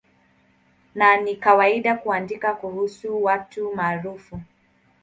Na ni kawaida kuandika kuhusu watu maarufu.